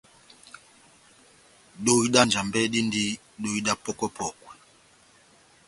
Dohi dá Njambɛ díndi dóhi dá pɔ́kwɛ-pɔkwɛ.